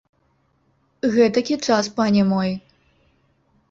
Гэтакі час, пане мой.